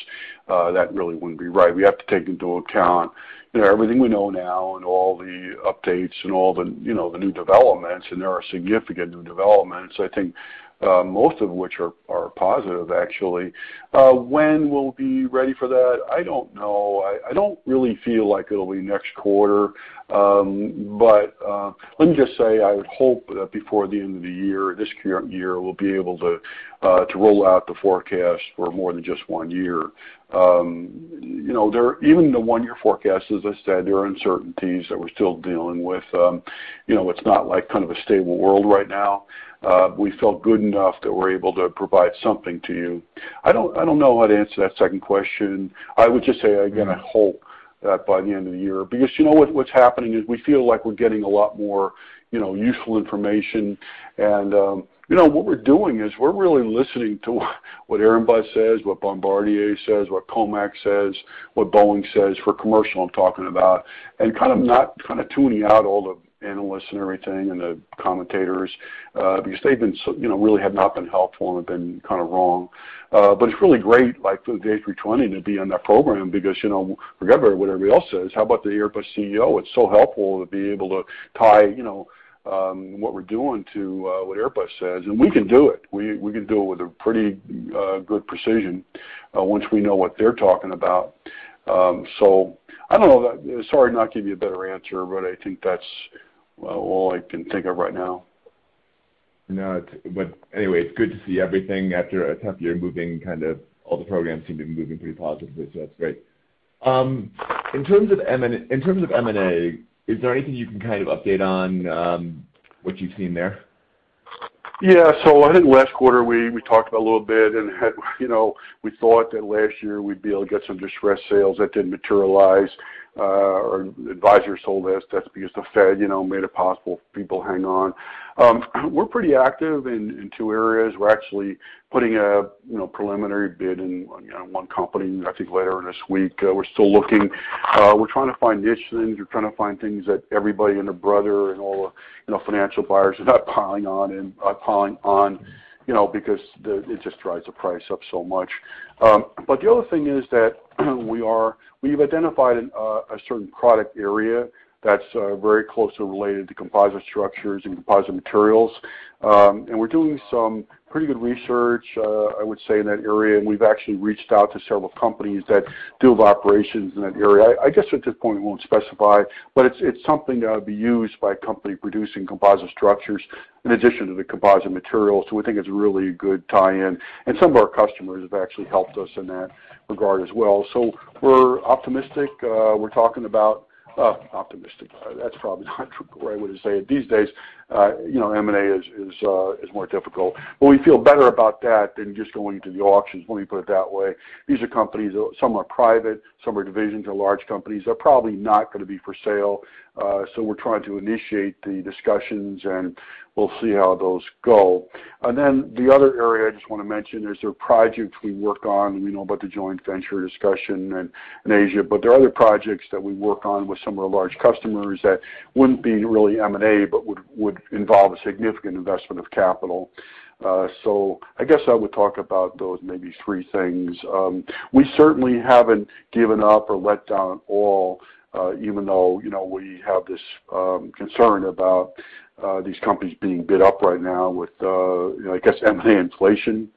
That really wouldn't be right. We have to take into account everything we know now and all the updates and all the new developments, there are significant new developments, I think most of which are positive, actually. When we'll be ready for that, I don't know. I don't really feel like it'll be next quarter. Let me just say, I would hope that before the end of the year, this current year, we'll be able to roll out the forecast for more than just one year. Even the one-year forecast, as I said, there are uncertainties that we're still dealing with. It's not like kind of a stable world right now. We felt good enough that we're able to provide something to you. I don't know how to answer that second question. I would just say, again, I hope that by the end of the year. You know what's happening is we feel like we're getting a lot more useful information. What we're doing is we're really listening to what Airbus says, what Bombardier says, what COMAC says, what Boeing says, for commercial I'm talking about, and kind of tuning out all the analysts and everything and the commentators, because they really have not been helpful and have been kind of wrong. It's really great, like for the A320 to be on that program because forget about what everybody else says, how about the Airbus CEO? It's so helpful to be able to tie what we're doing to what Airbus says. We can do it. We can do it with a pretty good precision once we know what they're talking about. I don't know. Sorry to not give you a better answer, but I think that's all I can think of right now. No, anyway, it's good to see everything after a tough year, all the programs seem to be moving pretty positively. That's great. In terms of M&A, is there anything you can kind of update on what you've seen there? Yeah. I think last quarter, we talked a little bit and we thought that last year we'd be able to get some distressed sales that didn't materialize. Our advisors told us that's because the Fed made it possible for people to hang on. We're pretty active in two areas. We're actually putting a preliminary bid in one company, I think, later in this week. We're still looking. We're trying to find niche things. We're trying to find things that everybody and their brother and all the financial buyers are not piling on, because it just drives the price up so much. The other thing is that we've identified a certain product area that's very closely related to composite structures and composite materials. We're doing some pretty good research, I would say, in that area. We've actually reached out to several companies that do have operations in that area. I guess, at this point, we won't specify, but it's something that would be used by a company producing composite structures in addition to the composite materials. We think it's a really good tie-in, and some of our customers have actually helped us in that regard as well. We're optimistic. Optimistic, that's probably not the right word to say it these days. M&A is more difficult. We feel better about that than just going to the auctions, let me put it that way. These are companies, some are private, some are divisions of large companies. They're probably not going to be for sale. We're trying to initiate the discussions, and we'll see how those go. The other area I just want to mention is there are projects we work on, and we know about the joint venture discussion in Asia. There are other projects that we work on with some of our large customers that wouldn't be really M&A, but would involve a significant investment of capital. I guess I would talk about those maybe three things. We certainly haven't given up or let down at all, even though we have this concern about these companies being bid up right now with, I guess M&A inflation.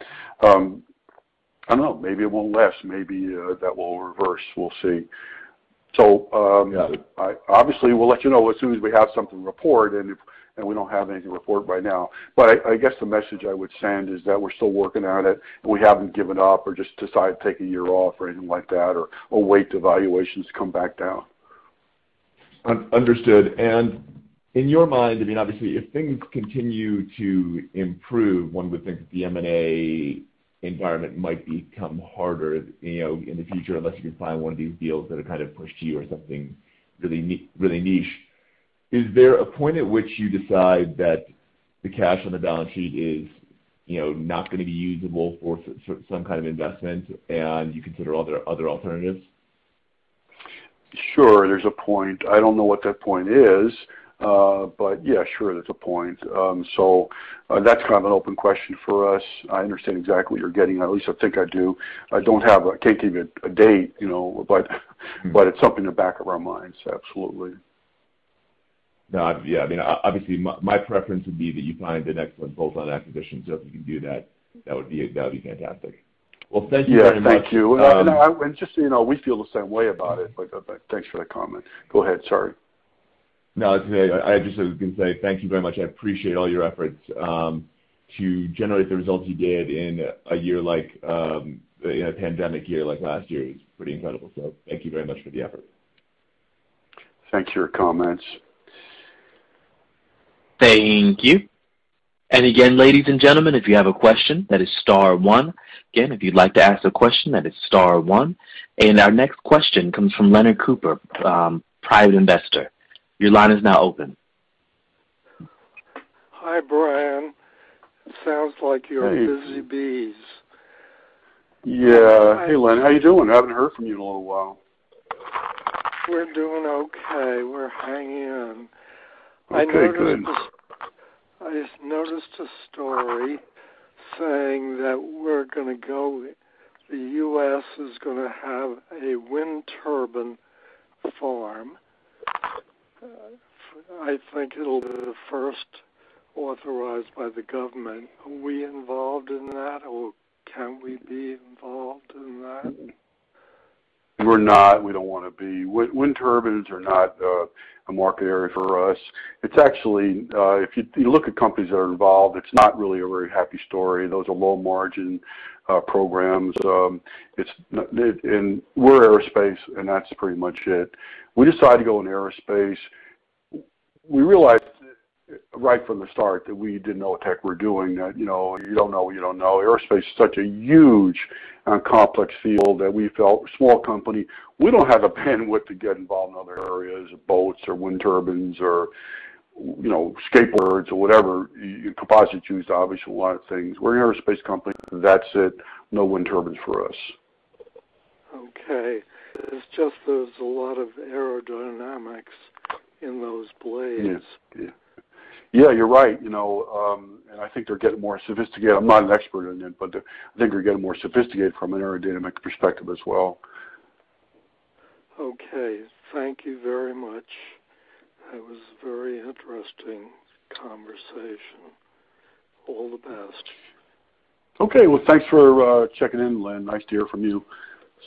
I don't know, maybe it won't last, maybe that will reverse, we'll see. Yeah. Obviously, we'll let you know as soon as we have something to report. We don't have anything to report right now. I guess the message I would send is that we're still working at it, and we haven't given up or just decided to take a year off or anything like that, or wait till valuations come back down. Understood. In your mind, obviously, if things continue to improve, one would think that the M&A environment might become harder in the future, unless you can find one of these deals that are kind of pushed to you or something really niche. Is there a point at which you decide that the cash on the balance sheet is not going to be usable for some kind of investment, and you consider other alternatives? Sure. There's a point. I don't know what that point is. Yeah, sure, there's a point. That's kind of an open question for us. I understand exactly what you're getting at least I think I do. I can't give you a date, but it's something in the back of our minds, absolutely. Yeah. Obviously, my preference would be that you find an excellent bolt-on acquisition. If you can do that would be fantastic. Thank you very much. Yeah, thank you. Just so you know, we feel the same way about it, thanks for that comment. Go ahead, sorry. I was just going to say, thank you very much. I appreciate all your efforts to generate the results you did in a pandemic year like last year is pretty incredible. Thank you very much for the effort. Thanks for your comments. Thank you. Again, ladies and gentlemen, if you have a question, that is star one. Again, if you'd like to ask a question, that is star one. Our next question comes from Len Cooper, private investor. Your line is now open. Hi, Brian. Sounds like you're busy bees. Yeah. Hey, Len, how you doing? I haven't heard from you in a little while. We're doing okay. We're hanging in. Okay, good. I just noticed a story saying that the U.S. is going to have a wind turbine farm. I think it'll be the first authorized by the government. Are we involved in that, or can we be involved in that? We don't want to be. Wind turbines are not a market area for us. If you look at companies that are involved, it's not really a very happy story. Those are low margin programs. We're Aerospace. That's pretty much it. We decided to go into Aerospace. We realized right from the start that we didn't know what the heck we're doing. You don't know what you don't know. Aerospace is such a huge and complex field that we felt, a small company, we don't have a bandwidth to get involved in other areas, boats or wind turbines or skateboards or whatever. Composites is used, obviously, in a lot of things. We're an Aerospace company. That's it. No wind turbines for us. Okay. It's just there's a lot of aerodynamics in those blades. Yes. Yeah, you're right. I think they're getting more sophisticated. I'm not an expert in it, but I think they're getting more sophisticated from an aerodynamic perspective as well. Okay. Thank you very much. That was a very interesting conversation. All the best. Okay. Well, thanks for checking in, Len. Nice to hear from you.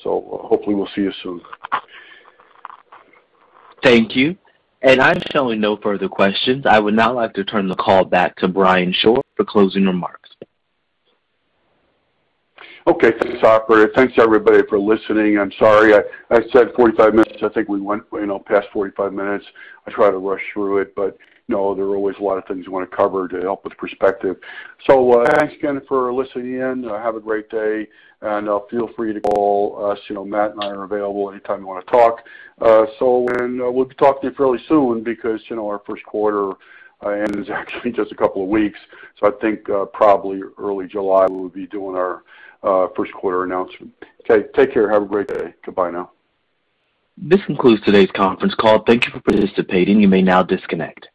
Hopefully, we'll see you soon. Thank you. I'm showing no further questions. I would now like to turn the call back to Brian Shore for closing remarks. Okay. Thanks, operator. Thanks, everybody, for listening. I'm sorry, I said 45 minutes, I think we went past 45 minutes. I try to rush through it, there are always a lot of things you want to cover to help with perspective. Thanks again for listening in. Have a great day, and feel free to call us. Matt and I are available anytime you want to talk. We'll be talking to you fairly soon because our first quarter ends actually in just a couple of weeks, I think probably early July, we'll be doing our first quarter announcement. Okay. Take care. Have a great day. Goodbye now. This concludes today's conference call. Thank you for participating. You may now disconnect.